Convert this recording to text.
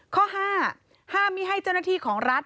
ข้อ๕ห้ามไม่ให้เจ้าหน้าที่ของรัฐ